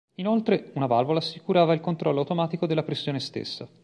Inoltre una valvola assicurava il controllo automatico della pressione stessa.